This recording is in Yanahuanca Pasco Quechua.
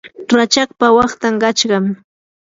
rachakpa waqtan qachqami.